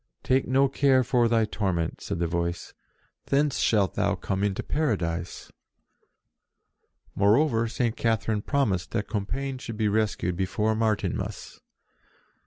"Take no care for thy torment," said the Voice ;" thence shalt thou come into Paradise." Moreover, St. Catherine promised that Compiegne should be rescued before Martinmas.